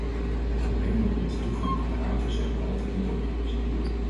De problemen rond de toegang tot de haven zijn nog altijd niet opgelost.